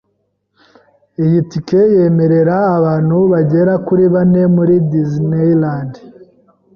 Iyi tike yemerera abantu bagera kuri bane muri Disneyland.